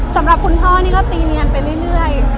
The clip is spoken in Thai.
สำหรับคุณพ่อนี่ก็ตีเนียนไปเรื่อย